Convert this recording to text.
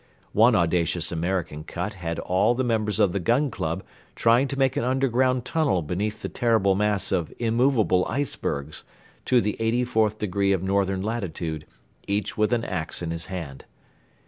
One audacious American cut had all the members of the Gun Club trying to make an underground tunnel beneath the terrible mass of immovable icebergs, to the eighty fourth degree of northern latitude, each with an axe in his hand.